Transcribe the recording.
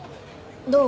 どう？